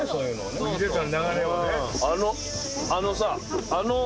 あのさ。